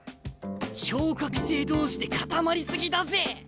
昇格生同士で固まり過ぎだぜ！